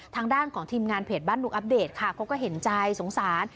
ทางด้านของทีมงานเพจบ้านลุงอัปเดตค่ะเขาก็เห็นใจสงสาร